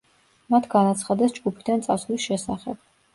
მათ განაცხადეს ჯგუფიდან წასვლის შესახებ.